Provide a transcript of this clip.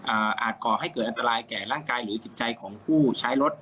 อาจก่อให้เกิดอันตรายแก่ร่างกายหรือจิตใจของผู้ใช้รถ